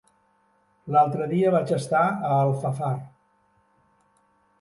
L'altre dia vaig estar a Alfafar.